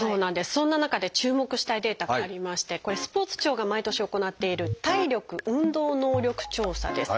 そんな中で注目したいデータがありましてスポーツ庁が毎年行っている「体力・運動能力調査」です。